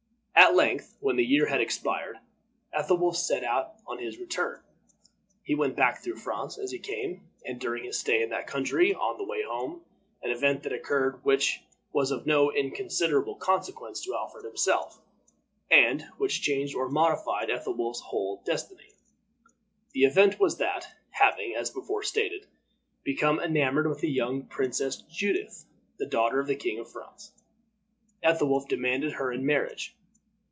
At length, when the year had expired, Ethelwolf set out on his return. He went back through France, as he came, and during his stay in that country on the way home, an event occurred which was of no inconsiderable consequence to Alfred himself, and which changed or modified Ethelwolf's whole destiny. The event was that, having, as before stated, become enamored with the young Princess Judith, the daughter of the King of France, Ethelwolf demanded her in marriage.